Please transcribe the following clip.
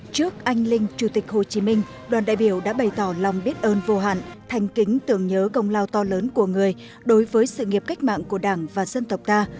trước anh linh chủ tịch hồ chí minh đoàn đại biểu đã bày tỏ lòng biết ơn vô hạn thành kính tưởng nhớ công lao to lớn của người đối với sự nghiệp cách mạng của đảng và dân tộc ta